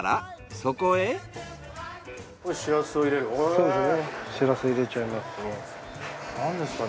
そうですね。